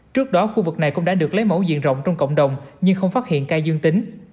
trước đó khu vực này cũng đã được lấy mẫu diện rộng trong cộng đồng nhưng không phát hiện ca dương tính